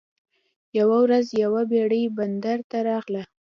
یوه ورځ یوه بیړۍ بندر ته راغله.